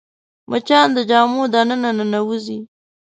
مچان د جامو دننه ننوځي